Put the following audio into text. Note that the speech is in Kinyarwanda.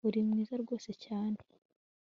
Uri mwiza rwose cyane